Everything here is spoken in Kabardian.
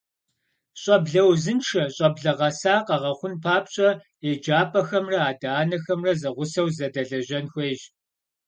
Щӏэблэ узыншэ, щӏэблэ гъэса къэгъэхъун папщӏэ еджапӏэхэмрэ адэ-анэхэмрэ зэгъусэу зэдэлэжьэн хуейщ.